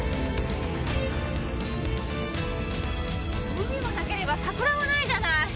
海もなければ桜もないじゃない！